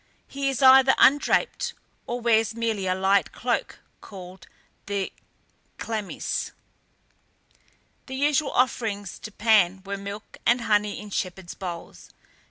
He is either undraped, or wears merely the light cloak called the chlamys. The usual offerings to Pan were milk and honey in shepherds' bowls.